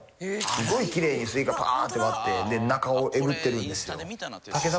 すごいきれいにスイカパーンって割って中をえぐってるんですよ。